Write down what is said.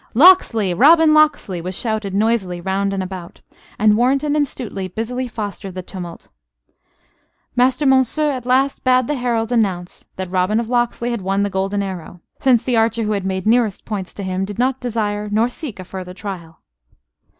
"Locksley! Robin Locksley!" was shouted noisily round and about; and Warrenton and Stuteley busily fostered the tumult. Master Monceux at last bade the heralds announce that Robin of Locksley had won the golden arrow since the archer who had made nearest points to him did not desire nor seek a further trial.